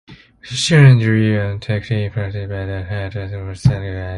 Macedonian, drill and tactics as practiced by the Hellenistic successors of Alexander the Great.